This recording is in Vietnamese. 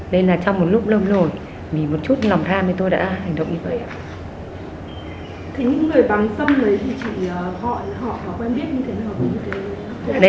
nên là trong một lúc lâm lội vì một chút lòng tham thì tôi đã hành động như vậy